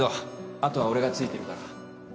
あとは俺がついてるから